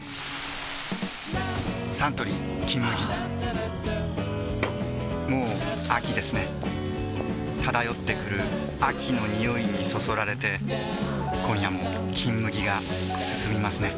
サントリー「金麦」もう秋ですね漂ってくる秋の匂いにそそられて今夜も「金麦」がすすみますね